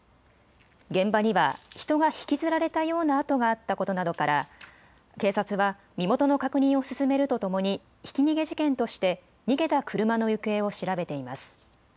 現場には人が引きずられたような跡があったことなどから警察は身元の確認を進めるとともにひき逃げ事件として逃げた車の行方を調べています。